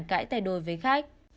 cãi tài đối với khách